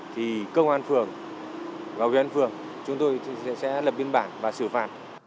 thì công an phường giao viên phường chúng tôi sẽ lập biên bản và xử phạt